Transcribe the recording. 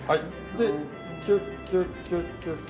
でキュッキュッキュッキュッキュッ。